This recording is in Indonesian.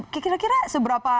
kira kira seberapa berat